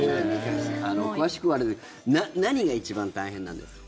詳しくはあれですが何が一番大変なんですか？